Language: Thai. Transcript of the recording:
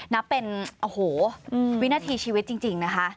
นับเป็นโอ้โหวินาทีชีวิตจริงนะคะ